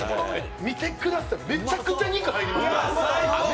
見てください、めちゃくちゃ肉入ります。